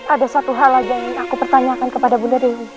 ada satu hal lagi yang ingin aku pertanyakan kepada bunda dewi